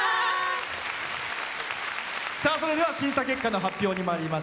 それでは審査結果の発表にまいります。